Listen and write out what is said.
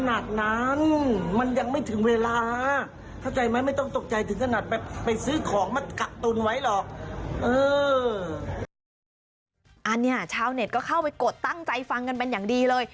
อันนี้ชาวเน็ตก็เข้าไปกดตั้งใจฟังกันเป็นอย่างดีเลย